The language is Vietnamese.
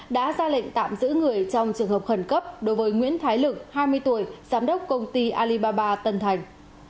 đã ra lệnh tạm giữ người trong trường hợp khẩn cấp đối với nguyễn thái lực hai mươi tuổi giám đốc công ty alibaba tân thành